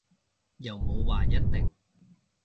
又冇話一定